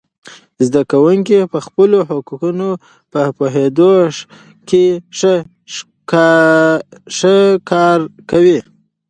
زده کوونکي د خپلو حقونو په پوهیدو کې ښه کار کوي.